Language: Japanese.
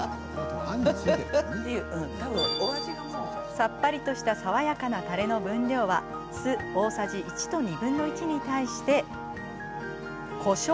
さっぱりとした爽やかなたれの分量は酢大さじ１と２分の１に対してこしょう１０ふりほど。